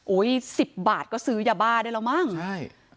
อุ๊ย๑๐บาทก็ซื้อยาบ้าได้แล้วมั่งใช่